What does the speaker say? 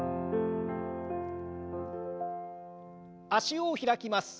脚を開きます。